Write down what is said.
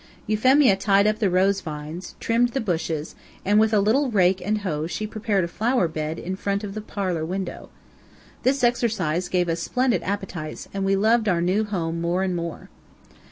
Euphemia tied up the rose vines, trimmed the bushes, and with a little rake and hoe she prepared a flower bed in front of the parlor window. This exercise gave us splendid appetites, and we loved our new home more and more.